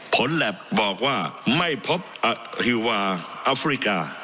แหลปบอกว่าไม่พบฮิวาอัฟริกา